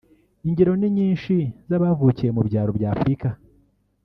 Ingero ni nyinshi z’abavukiye mu byaro bya Afurika